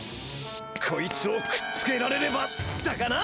こいつをくっつけられればだがな！